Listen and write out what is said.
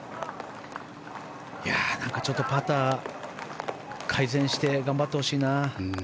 なんかパター改善して頑張ってほしいな。